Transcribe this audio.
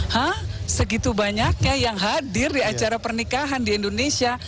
hah segitu banyaknya yang hadir di acara pernikahan di indonesia